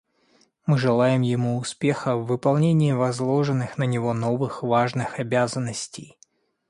Мы желаем ему успеха в выполнении возложенных на него новых, важных обязанностей.